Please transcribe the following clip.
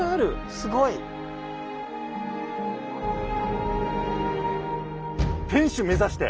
すごい！天主目指して！